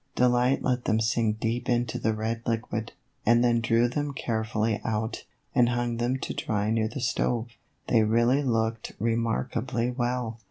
Delight let them sink deep into the red liquid, and then drew them carefully out, and hung them to dry near the stove. They really looked remark ably well.